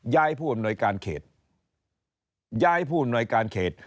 ย้ายผู้อำนวยการเขต